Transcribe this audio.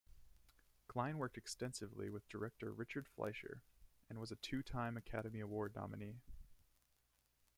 Kline worked extensively with director Richard Fleischer, and was a two-time Academy Award nominee.